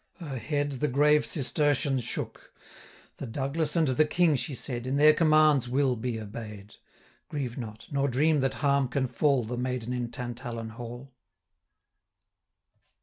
Her head the grave Cistertian shook: 900 'The Douglas, and the King,' she said, 'In their commands will be obey'd; Grieve not, nor dream that harm can fall The maiden in Tantallon hall.'